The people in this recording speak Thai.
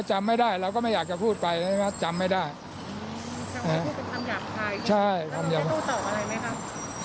จำไม่ได้แล้วไม่อยากจะพูดไปละยังไม่ได้ได้ว่าสามันย้อยไหว